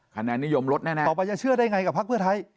คานแนนิยมลดแน่ต่อไปจะเชื่อได้ไงกับภัฏพรถ้าย